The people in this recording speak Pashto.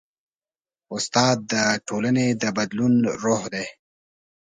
استاد د ټولنې د بدلون روح دی.